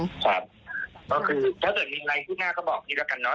ใช่เพราะคือถ้าเกิดมีอะไรขึ้นหน้าก็บอกพี่แล้วกันเนอะ